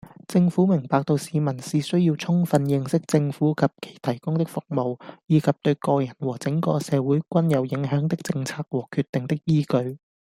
政府明白到市民是需要充分認識政府及其提供的服務，以及對個人和整個社會均有影響的政策和決定的依據